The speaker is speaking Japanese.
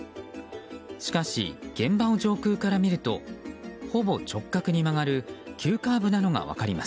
しかし、現場を上空から見るとほぼ直角に曲がる急カーブなのが分かります。